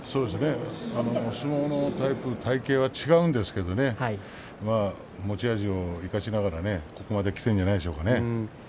相撲のタイプ、体型も違うんですけども持ち味を生かしながらここまできてるんじゃないんでしょうかね。